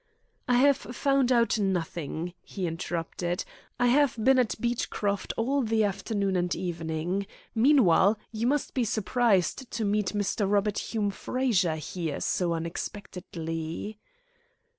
"I have found out nothing," he interrupted. "I have been at Beechcroft all the afternoon and evening. Meanwhile, you must be surprised to meet Mr. Robert Hume Frazer here so unexpectedly."